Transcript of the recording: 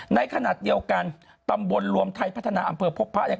ในขณะเดียวกันตำบลรวมไทยพัฒนาอำเภอพบพระเนี่ย